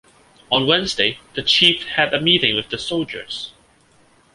On Wednesday, the chief had a meeting with the soldiers.